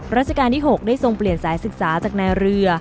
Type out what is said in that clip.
ราชการที่๖ได้ทรงเปลี่ยนสายศึกษาจากนายเรือ